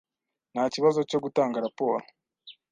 Nta kibazo cyo gutanga raporo.